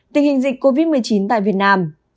tình hình dịch covid một mươi chín tại việt nam